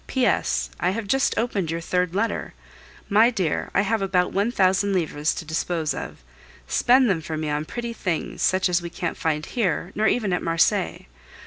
P. S. I have just opened your third letter. My dear, I have about one thousand livres to dispose of; spend them for me on pretty things, such as we can't find here, nor even at Marseilles.